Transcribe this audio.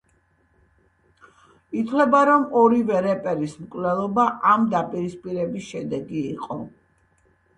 ითვლება, რომ ორივე რეპერის მკვლელობა ამ დაპირისპირების შედეგი იყო.